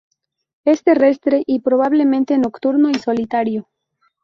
Es terrestre y probablemente nocturno y solitario.